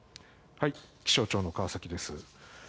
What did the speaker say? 気象庁の川崎です。